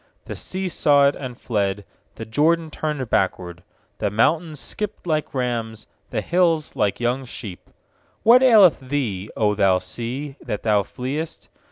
3The sea saw it, and fled; The Jordan turned backward. 4The mountains skipped like rams, The hills like young sheep* 8What aileth thee, 0 thou sea, that thou fleest?